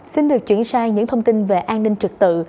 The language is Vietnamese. xin được chuyển sang những thông tin về an ninh trực tự